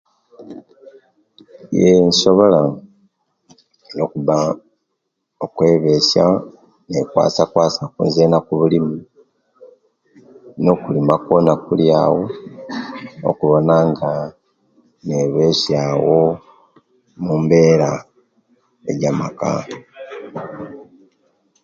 Yee insobola olwokuba okwebesia nekwasakwasia ku zena kubulimu no okulima kwona kuliawo okubona nga nebesia wo mumbera eja maka